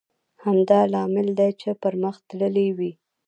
همدا لامل دی چې پرمختللی وي.